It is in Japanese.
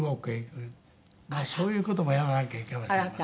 そういう事もやらなきゃいけませんので。